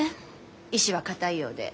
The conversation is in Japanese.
意志は固いようで。